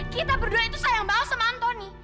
kita berdua itu sayang banget sama antoni